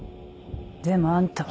でもあんたは。